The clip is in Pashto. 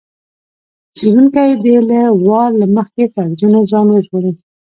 څېړونکی دې له وار له مخکې فرضونو ځان وژغوري.